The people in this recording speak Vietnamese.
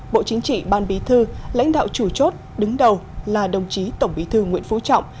bộ chính trị ban bí thư lãnh đạo chủ chốt đứng đầu là đồng chí tổng bí thư nguyễn phú trọng